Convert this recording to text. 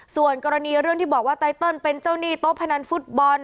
ส่วนกรณีเรื่องที่บอกว่าไตเติลเป็นเจ้าหนี้โต๊ะพนันฟุตบอล